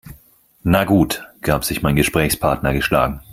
"Na gut", gab sich mein Gesprächspartner geschlagen.